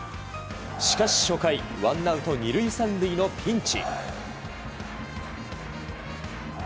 しかし初回ワンアウト２塁３塁のピンチ。